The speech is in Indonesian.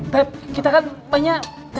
pep kita kan banyak